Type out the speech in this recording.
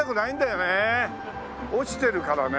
落ちてるからね。